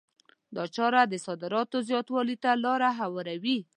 دا چاره د صادراتو زیاتوالي ته لار هواروي.